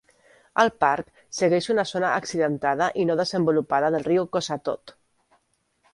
El parc segueix una zona accidentada i no desenvolupada del riu Cossatot.